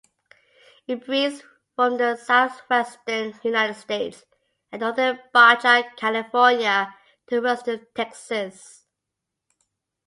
It breeds from the southwestern United States and northern Baja California to western Texas.